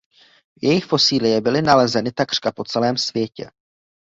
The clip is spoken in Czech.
Jejich fosílie byly nalezeny takřka po celém světě.